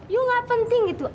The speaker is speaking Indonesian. you gak penting gitu